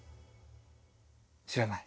知らない。